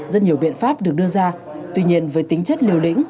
rất nhiều biện pháp được đưa ra tuy nhiên với tính chất liều lĩnh